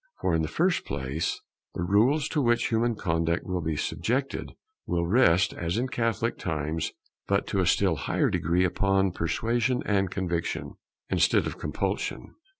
For in the first place, the rules to which human conduct will be subjected, will rest, as in Catholic times, but to a still higher degree, upon persuasion and conviction, instead of compulsion.